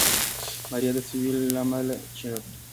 ماريا د سوي له امله چيغه کړه.